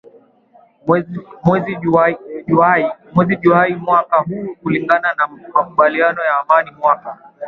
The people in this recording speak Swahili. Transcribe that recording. mwezi juai mwaka huu kulingana na makubaliano ya amani mwaka